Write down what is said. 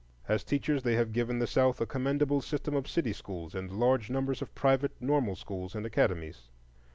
As teachers, they have given the South a commendable system of city schools and large numbers of private normal schools and academies.